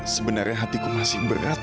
sebenernya hatiku masih berat